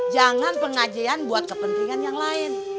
jangan pengajian buat kepentingan yang lain